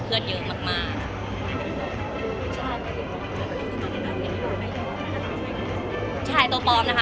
ไปไหน